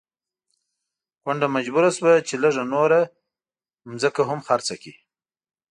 کونډه مجبوره شوه چې لږه نوره ځمکه هم خرڅه کړي.